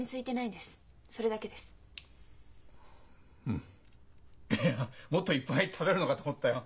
うんいやもっといっぱい食べるのかと思ったよ。